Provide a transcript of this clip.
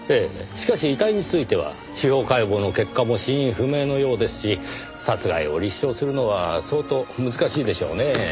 しかし遺体については司法解剖の結果も死因不明のようですし殺害を立証するのは相当難しいでしょうねぇ。